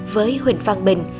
với huỳnh văn bình